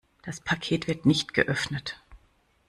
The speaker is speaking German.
Das Paket wird nicht geöffnet.